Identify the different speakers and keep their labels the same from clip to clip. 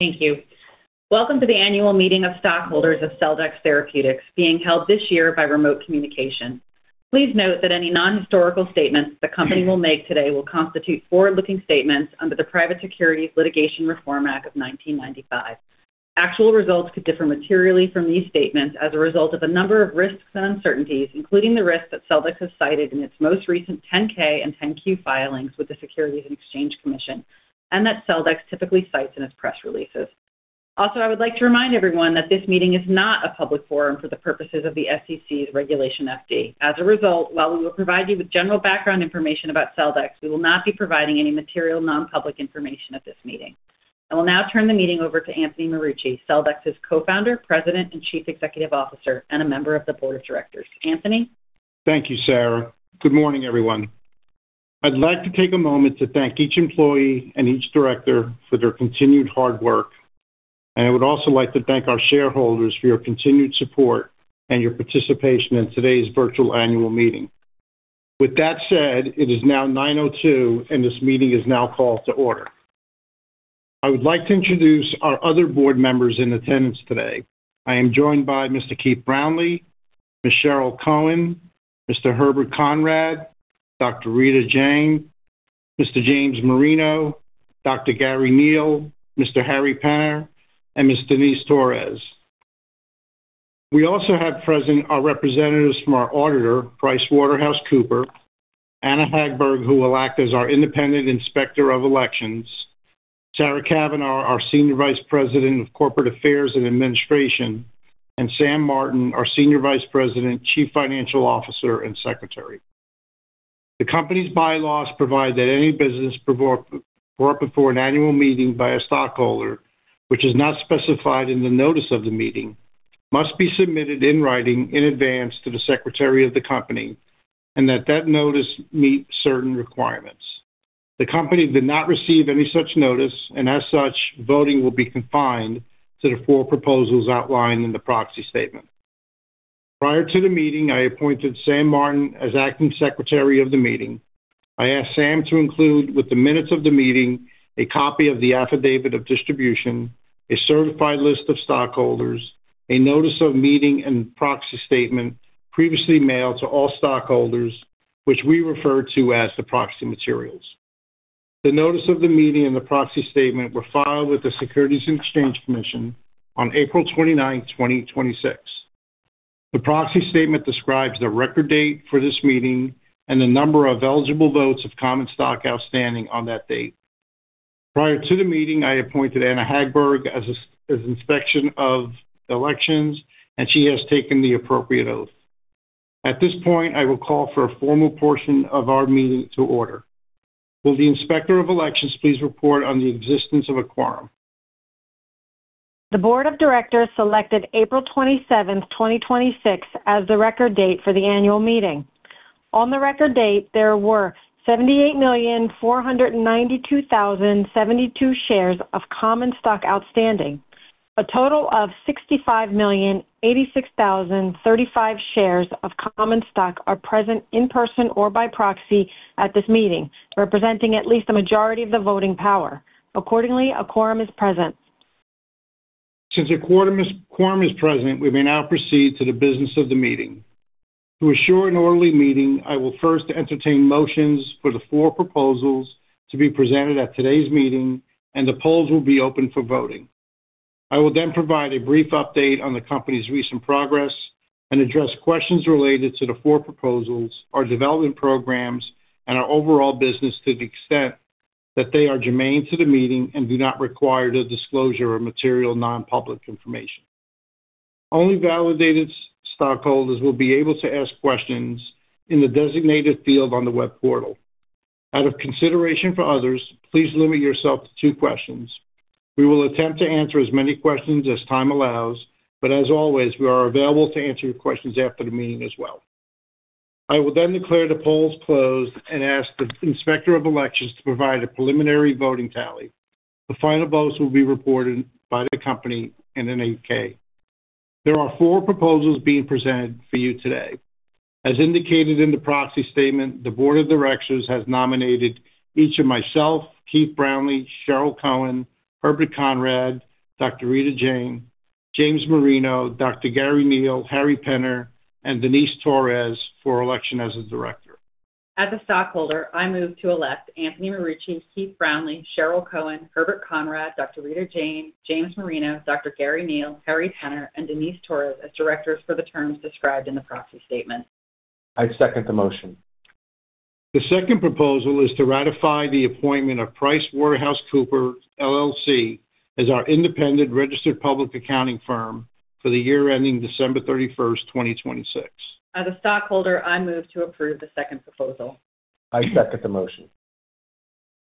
Speaker 1: Thank you. Welcome to the annual meeting of stockholders of Celldex Therapeutics, being held this year by remote communication. Please note that any non-historical statements the company will make today will constitute forward-looking statements under the Private Securities Litigation Reform Act of 1995. Actual results could differ materially from these statements as a result of a number of risks and uncertainties, including the risks that Celldex has cited in its most recent 10-K and 10-Q filings with the Securities and Exchange Commission, and that Celldex typically cites in its press releases. I would like to remind everyone that this meeting is not a public forum for the purposes of the SEC's Regulation FD. As a result, while we will provide you with general background information about Celldex, we will not be providing any material non-public information at this meeting. I will now turn the meeting over to Anthony Marucci, Celldex's Co-Founder, President, and Chief Executive Officer, and a member of the Board of Directors. Anthony?
Speaker 2: Thank you, Sarah. Good morning, everyone. I'd like to take a moment to thank each employee and each Director for their continued hard work. I would also like to thank our shareholders for your continued support and your participation in today's virtual annual meeting. With that said, it is now 9:02 A.M., and this meeting is now called to order. I would like to introduce our other Board members in attendance today. I am joined by Mr. Keith Brownlie, Ms. Cheryl Cohen, Mr. Herbert Conrad, Dr. Rita Jain, Mr. James Marino, Dr. Garry Neil, Mr. Harry Penner, and Ms. Denice Torres. We also have present our representatives from our auditor, PricewaterhouseCoopers; Anna Hagberg, who will act as our independent Inspector of Elections; Sarah Cavanaugh, our Senior Vice President of Corporate Affairs and Administration; and Sam Martin, our Senior Vice President, Chief Financial Officer, and Secretary. The company's bylaws provide that any business brought before an annual meeting by a stockholder, which is not specified in the notice of the meeting, must be submitted in writing in advance to the Secretary of the company, and that that notice meet certain requirements. The company did not receive any such notice, as such, voting will be confined to the four proposals outlined in the proxy statement. Prior to the meeting, I appointed Sam Martin as acting Secretary of the meeting. I asked Sam to include with the minutes of the meeting, a copy of the affidavit of distribution, a certified list of stockholders, a notice of meeting and proxy statement previously mailed to all stockholders, which we refer to as the proxy materials. The notice of the meeting and the proxy statement were filed with the Securities and Exchange Commission on April 29th, 2026. The proxy statement describes the record date for this meeting and the number of eligible votes of common stock outstanding on that date. Prior to the meeting, I appointed Anna Hagberg as Inspector of Election, and she has taken the appropriate oath. At this point, I will call for a formal portion of our meeting to order. Will the Inspector of Election please report on the existence of a quorum?
Speaker 3: The board of directors selected April 27th, 2026, as the record date for the annual meeting. On the record date, there were 78,492,072 shares of common stock outstanding. A total of 65,086,035 shares of common stock are present in person or by proxy at this meeting, representing at least a majority of the voting power. Accordingly, a quorum is present.
Speaker 2: Since a quorum is present, we may now proceed to the business of the meeting. To assure an orderly meeting, I will first entertain motions for the four proposals to be presented at today's meeting, and the polls will be open for voting. I will then provide a brief update on the company's recent progress and address questions related to the four proposals, our development programs, and our overall business to the extent that they are germane to the meeting and do not require the disclosure of material non-public information. Only validated stockholders will be able to ask questions in the designated field on the web portal. Out of consideration for others, please limit yourself to two questions. We will attempt to answer as many questions as time allows, but as always, we are available to answer your questions after the meeting as well. I will then declare the polls closed and ask the Inspector of Election to provide a preliminary voting tally. The final votes will be reported by the company in an 8-K. There are four proposals being presented for you today. As indicated in the proxy statement, the board of directors has nominated each of myself, Keith Brownlie, Cheryl Cohen, Herbert Conrad, Dr. Rita Jain, James Marino, Dr. Garry Neil, Harry Penner, and Denice Torres for election as a director.
Speaker 1: As a stockholder, I move to elect Anthony Marucci, Keith Brownlie, Cheryl Cohen, Herbert Conrad, Dr. Rita Jain, James Marino, Dr. Garry Neil, Harry Penner, and Denice Torres as directors for the terms described in the proxy statement.
Speaker 4: I second the motion.
Speaker 2: The second proposal is to ratify the appointment of PricewaterhouseCoopers LLP as our independent registered public accounting firm for the year ending December 31st, 2026.
Speaker 1: As a stockholder, I move to approve the second proposal.
Speaker 4: I second the motion.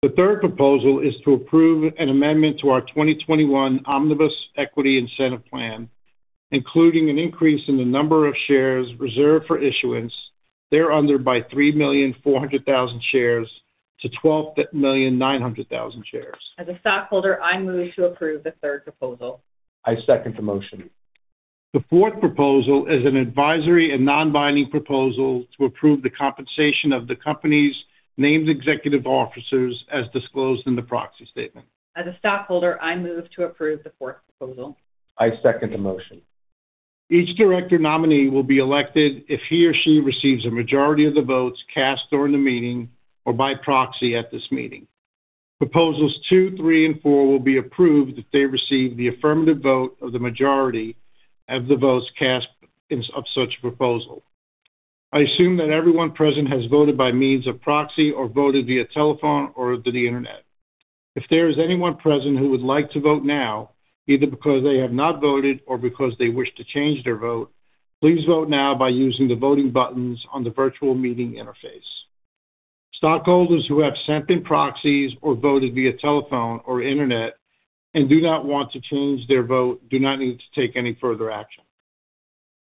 Speaker 2: The third proposal is to approve an amendment to our 2021 Omnibus Equity Incentive Plan, including an increase in the number of shares reserved for issuance thereunder by 3,400,000 shares to 12,900,000 shares.
Speaker 1: As a stockholder, I move to approve the third proposal.
Speaker 4: I second the motion.
Speaker 2: The fourth proposal is an advisory and non-binding proposal to approve the compensation of the company's named executive officers as disclosed in the proxy statement.
Speaker 1: As a stockholder, I move to approve the fourth proposal.
Speaker 4: I second the motion.
Speaker 2: Each director nominee will be elected if he or she receives a majority of the votes cast during the meeting or by proxy at this meeting. Proposals two, three, and four will be approved if they receive the affirmative vote of the majority of the votes cast of such a proposal. I assume that everyone present has voted by means of proxy or voted via telephone or the internet. If there is anyone present who would like to vote now, either because they have not voted or because they wish to change their vote, please vote now by using the voting buttons on the virtual meeting interface. Stockholders who have sent in proxies or voted via telephone or internet and do not want to change their vote do not need to take any further action.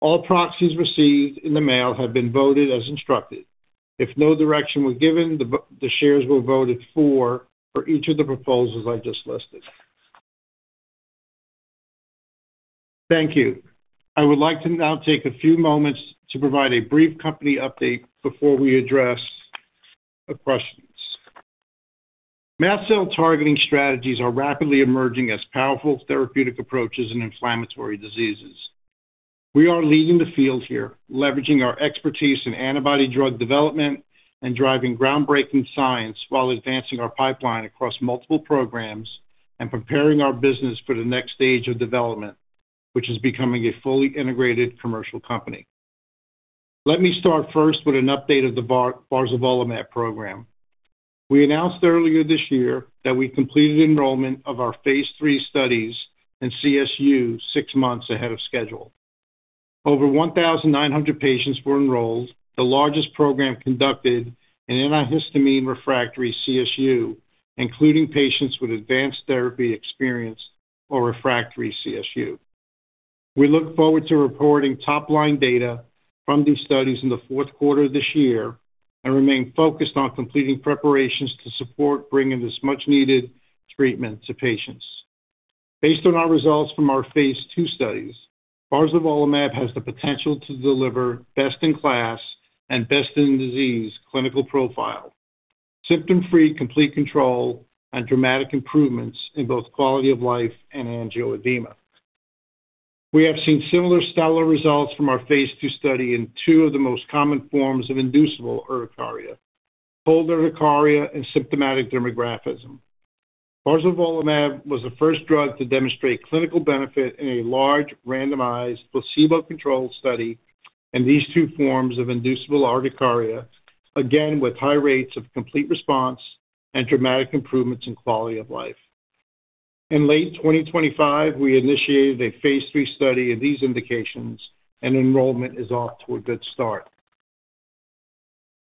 Speaker 2: All proxies received in the mail have been voted as instructed. If no direction was given, the shares were voted for each of the proposals I just listed. Thank you. I would like to now take a few moments to provide a brief company update before we address the questions. Mast cell targeting strategies are rapidly emerging as powerful therapeutic approaches in inflammatory diseases. We are leading the field here, leveraging our expertise in antibody drug development and driving groundbreaking science while advancing our pipeline across multiple programs and preparing our business for the next stage of development, which is becoming a fully integrated commercial company. Let me start first with an update of the barzolvolimab program. We announced earlier this year that we completed enrollment of our phase III studies in CSU six months ahead of schedule. Over 1,900 patients were enrolled, the largest program conducted in antihistamine-refractory CSU, including patients with advanced therapy experience or refractory CSU. We look forward to reporting top-line data from these studies in the fourth quarter of this year and remain focused on completing preparations to support bringing this much-needed treatment to patients. Based on our results from our phase II studies, barzolvolimab has the potential to deliver best-in-class and best-in-disease clinical profile, symptom-free complete control, and dramatic improvements in both quality of life and angioedema. We have seen similar stellar results from our phase II study in two of the most common forms of inducible urticaria, cold urticaria, and symptomatic dermatographism. Barzolvolimab was the first drug to demonstrate clinical benefit in a large randomized placebo-controlled study in these two forms of inducible urticaria, again with high rates of complete response and dramatic improvements in quality of life. In late 2025, we initiated a phase III study of these indications, and enrollment is off to a good start.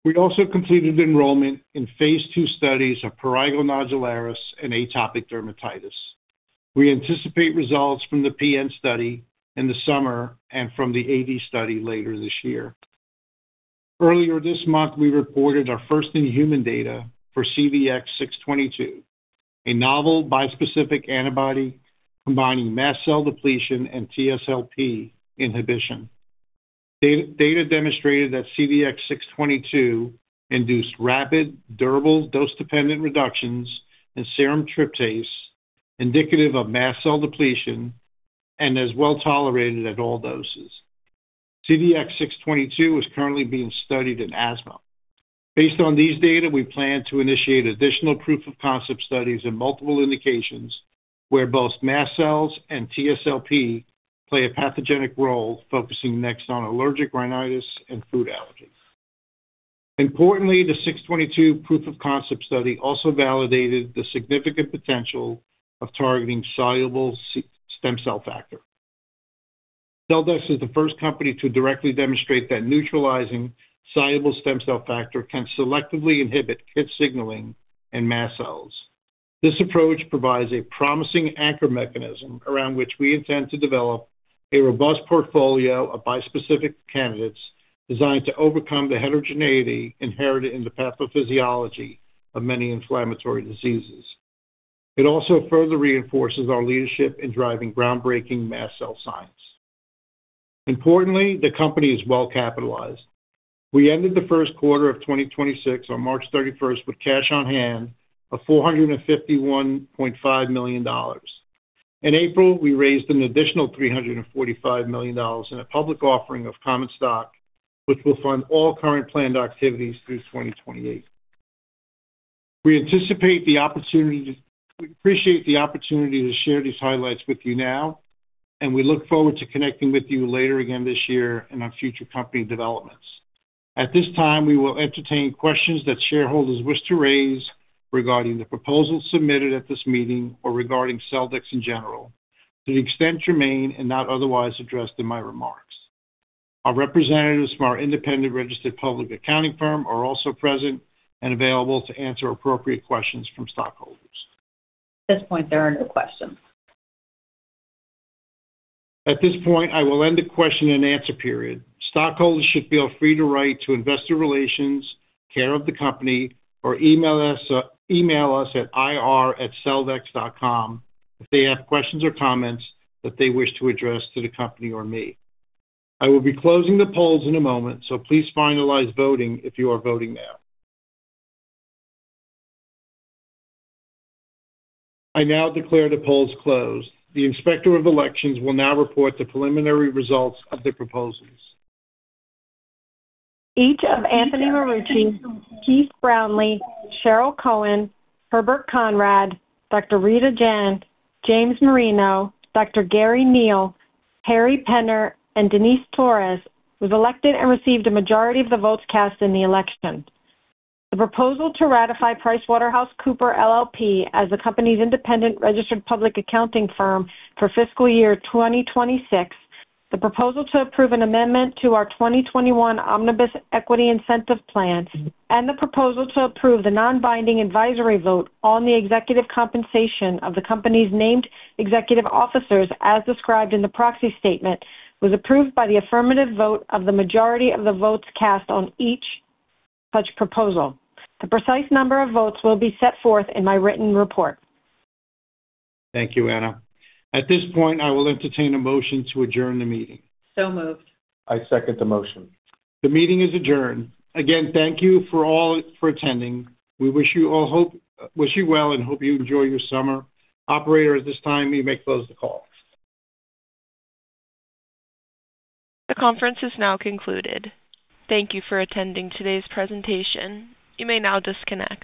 Speaker 2: We also completed enrollment in phase II studies of prurigo nodularis and atopic dermatitis. We anticipate results from the PN study in the summer and from the AD study later this year. Earlier this month, we reported our first-in-human data for CVX-622, a novel bispecific antibody combining mast cell depletion and TSLP inhibition. Data demonstrated that CVX-622 induced rapid, durable dose-dependent reductions in serum tryptase, indicative of mast cell depletion and is well-tolerated at all doses. CVX-622 is currently being studied in asthma. Based on these data, we plan to initiate additional proof-of-concept studies in multiple indications where both mast cells and TSLP play a pathogenic role, focusing next on allergic rhinitis and food allergies. Importantly, the CVX-622 proof-of-concept study also validated the significant potential of targeting soluble stem cell factor. Celldex is the first company to directly demonstrate that neutralizing soluble stem cell factor can selectively inhibit KIT signaling in mast cells. This approach provides a promising anchor mechanism around which we intend to develop a robust portfolio of bispecific candidates designed to overcome the heterogeneity inherited in the pathophysiology of many inflammatory diseases. It also further reinforces our leadership in driving groundbreaking mast cell science. Importantly, the company is well-capitalized. We ended the first quarter of 2026 on March 31st with cash on hand of $451.5 million. In April, we raised an additional $345 million in a public offering of common stock, which will fund all current planned activities through 2028. We appreciate the opportunity to share these highlights with you now, and we look forward to connecting with you later again this year on our future company developments. At this time, we will entertain questions that shareholders wish to raise regarding the proposals submitted at this meeting or regarding Celldex in general, to the extent remain and not otherwise addressed in my remarks. Our representatives from our independent registered public accounting firm are also present and available to answer appropriate questions from stockholders.
Speaker 1: At this point, there are no questions.
Speaker 2: At this point, I will end the question and answer period. Stockholders should feel free to write to investor relations, care of the company, or email us at ir@celldex.com if they have questions or comments that they wish to address to the company or me. I will be closing the polls in a moment, please finalize voting if you are voting now. I now declare the polls closed. The Inspector of Elections will now report the preliminary results of the proposals.
Speaker 3: Each of Anthony Marucci, Keith Brownlie, Cheryl Cohen, Herbert Conrad, Dr. Rita Jain, James Marino, Dr. Garry Neil, Harry Penner, and Denice Torres was elected and received a majority of the votes cast in the election. The proposal to ratify PricewaterhouseCoopers LLP as the company's independent registered public accounting firm for fiscal year 2026, the proposal to approve an amendment to our 2021 Omnibus Equity Incentive Plans, and the proposal to approve the non-binding advisory vote on the executive compensation of the company's named executive officers as described in the proxy statement, was approved by the affirmative vote of the majority of the votes cast on each such proposal. The precise number of votes will be set forth in my written report.
Speaker 2: Thank you, Anna. At this point, I will entertain a motion to adjourn the meeting.
Speaker 1: Moved.
Speaker 4: I second the motion.
Speaker 2: The meeting is adjourned. Again, thank you all for attending. We wish you well and hope you enjoy your summer. Operator, at this time, you may close the call.
Speaker 5: The conference is now concluded. Thank you for attending today's presentation. You may now disconnect.